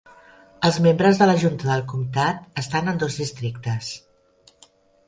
Els membres de la junta del comtat estan en dos districtes.